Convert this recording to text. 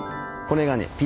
これがね